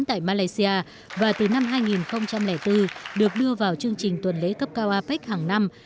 tại malaysia và từ năm hai nghìn bốn được đưa vào chương trình tuần lễ cấp cao apec hàng năm